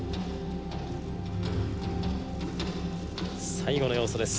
最後の要素です。